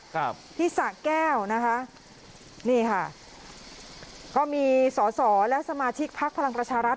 ครับที่สะแก้วนะคะนี่ค่ะก็มีสอสอและสมาชิกพักพลังประชารัฐ